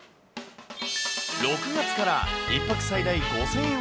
６月から１泊最大５０００円